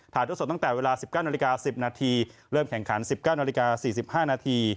ถ่ายตัวสดตั้งแต่เวลา๑๙น๑๐นเริ่มแข่งขัน๑๙น๔๕น